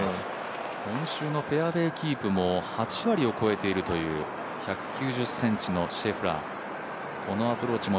今週のフェアウエーキープも８割を超えているという１９０ｃｍのシェフラー。